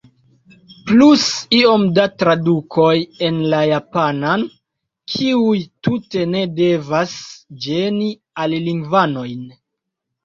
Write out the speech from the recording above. Plus iom da tradukoj en la japanan, kiuj tute ne devas ĝeni alilingvanojn.